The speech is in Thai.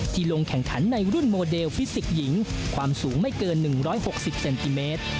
ลงแข่งขันในรุ่นโมเดลฟิสิกส์หญิงความสูงไม่เกิน๑๖๐เซนติเมตร